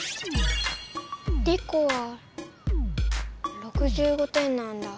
リコは６５点なんだ。